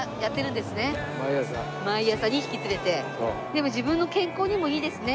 でも自分の健康にもいいですね。